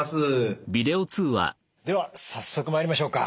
では早速まいりましょうか。